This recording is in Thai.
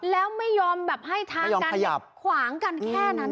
แล้วไม่ยอมแบบให้ทางกันขยับขวางกันแค่นั้น